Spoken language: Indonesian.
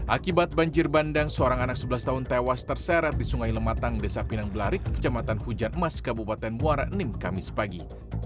akibat banjir bandang seorang anak sebelas tahun tewas terseret di sungai lematang desa pinang belarik kecamatan hujan emas kabupaten muara enim kamis pagi